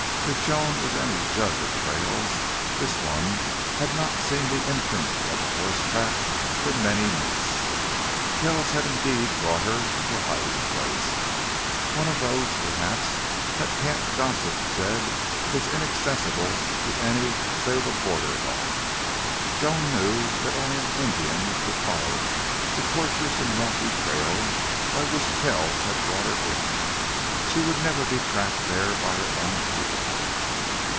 If Joan was any judge of trails, this one had not seen the imprint of a horse track for many months. Kells had indeed brought her to a hiding place, one of those, perhaps, that camp gossip said was inaccessible to any save a border hawk. Joan knew that only an Indian could follow the tortuous and rocky trail by which Kells had brought her in. She would never be tracked there by her own people.